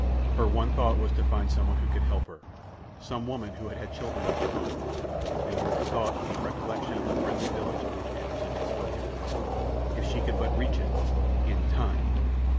Her one thought was to find some one who could help her—some woman who had had children of her own—and with the thought came recollection of the friendly village of which Anderssen had spoken. If she could but reach it—in time!